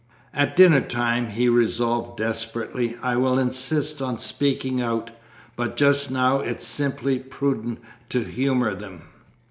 "At dinner time," he resolved desperately, "I will insist on speaking out, but just now it is simply prudent to humour them."